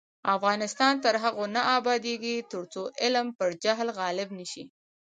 افغانستان تر هغو نه ابادیږي، ترڅو علم پر جهل غالب نشي.